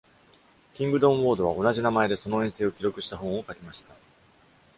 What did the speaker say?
キングドン・ウォードは同じ名前でその遠征を記録した本を書きました。